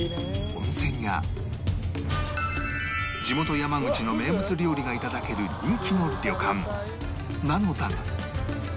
温泉や地元山口の名物料理がいただける人気の旅館なのだが